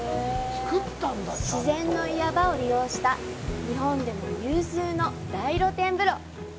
自然の岩場を利用した日本でも有数の大露天風呂。